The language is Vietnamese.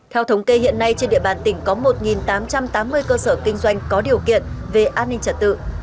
theo thống kê hiện nay trên địa bàn tỉnh có một tám trăm tám mươi cơ sở kinh doanh có điều kiện về an ninh trật tự